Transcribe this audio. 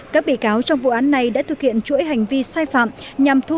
các bị cáo trong vụ án này đã thực hiện chuỗi hành vi sai phạm